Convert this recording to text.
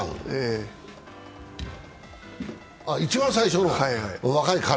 一番最初の若い彼。